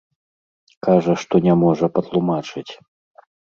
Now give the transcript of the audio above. Кажа, што не можа патлумачыць.